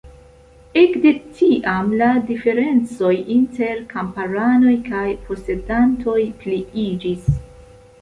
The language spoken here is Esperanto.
Ekde tiam la diferencoj inter kamparanoj kaj posedantoj pliiĝis.